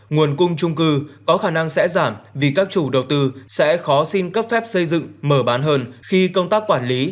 nguồn cung trung cư có khả năng sẽ giảm vì các chủ đầu tư sẽ khó xin cấp phép xây dựng mở bán hơn khi công tác quản lý